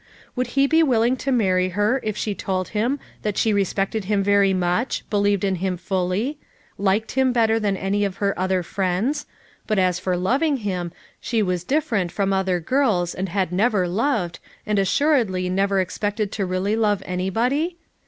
Would he be willing to marry her if she told him that she respected him very much, believed in him fully, liked him better than any of her friends, but as FOUR MOTHERS AT CHAUTAUQUA 387 for loving him, she was different from other girls and had never loved, and assuredly never expected to really love anybody?